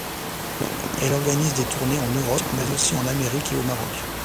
Elle organise des tournées en Europe mais aussi en Amérique et au Maroc.